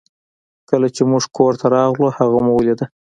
کله چې موږ کور ته راغلو هغه مو ولید